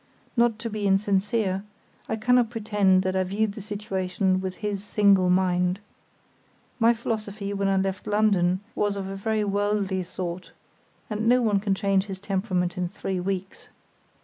Not to be insincere, I cannot pretend that I viewed the situation with his single mind. My philosophy when I left London was of a very worldly sort, and no one can change his temperament in three weeks.